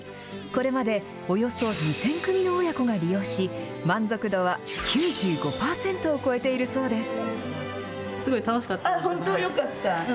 これまでおよそ２０００組の親子が利用し、満足度は９５％を超えているそうです。